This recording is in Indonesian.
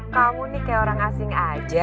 kamu nih kayak orang asing aja